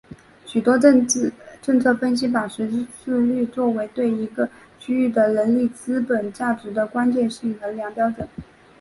许多政策分析把识字率作为对一个区域的人力资本价值的关键性衡量标准。